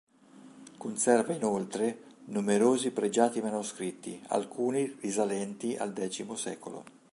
Conserva inoltre numerosi pregiati manoscritti, alcuni risalenti al X secolo.